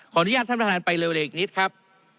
อนุญาตท่านประธานไปเร็วเลยอีกนิดครับ